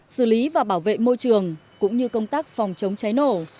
xử lý và bảo vệ môi trường cũng như công tác phòng chống cháy nổ